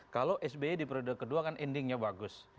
kalau sby di periode kedua kan endingnya bagus